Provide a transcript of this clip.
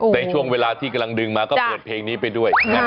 ในช่วงเวลาที่กำลังดึงมาก็เปิดเพลงนี้ไปด้วย